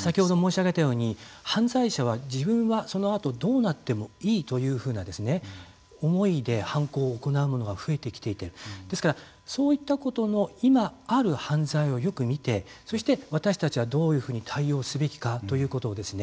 先ほど申し上げたように犯罪者は自分はそのあとどうなってもいいというふうな思いで犯行を行うものが増えてきていてですから、そういったことの今ある犯罪をよく見てそして私たちはどういうふうに対応すべきかということをですね